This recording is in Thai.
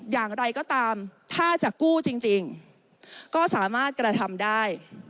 อย่างไรก็ตามถ้าจะกู้จริงก็สามารถกระทำได้